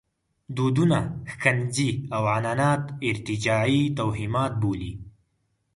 دودونه ښکنځي او عنعنات ارتجاعي توهمات بولي.